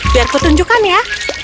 biar ku tunjukkan ya